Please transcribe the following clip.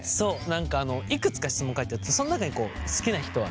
何かいくつか質問書いてあってそん中に「好きな人は？」